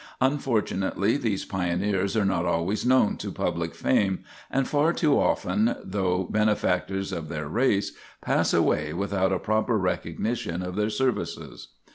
Unfortunately these pioneers are not always known to public fame, and far too often, though benefactors of their race, pass away without a proper recognition of their services.